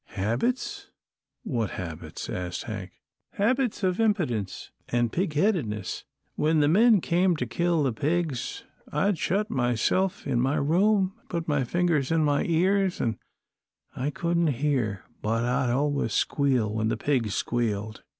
"Habits what habits?" asked Hank. "Habits of impidence an' pig headedness. When the men come to kill the pigs I'd shut myself in my room, an' put my fingers in my ears, an' I couldn't hear, but I'd always squeal when the pigs squealed."